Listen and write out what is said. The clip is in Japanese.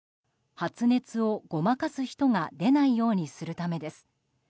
発熱をごまかす人が出ないようにするためです。